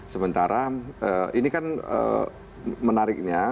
sementara ini kan menariknya